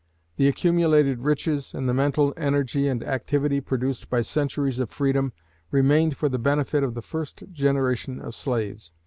The accumulated riches, and the mental energy and activity produced by centuries of freedom, remained for the benefit of the first generation of slaves.